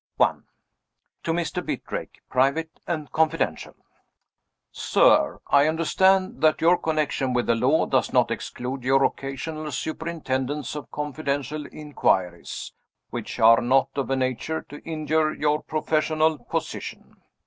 I. To Mr. Bitrake. Private and Confidential. SIR I understand that your connection with the law does not exclude your occasional superintendence of confidential inquiries, which are not of a nature to injure your professional position.